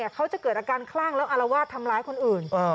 เขาจะเกิดอาการคลั่งแล้วอารวาสทำร้ายคนอื่น